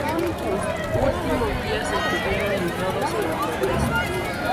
Sus últimos días estuvieron ligados a la pobreza.